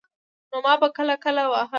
نو ما به کله کله واهه.